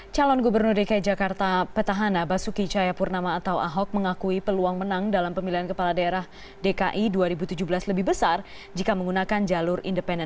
calon gubernur dki jakarta petahana basuki cahayapurnama atau ahok mengakui peluang menang dalam pemilihan kepala daerah dki dua ribu tujuh belas lebih besar jika menggunakan jalur independen